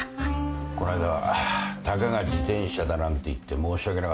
この間たかが自転車だなんて言って申し訳なかった。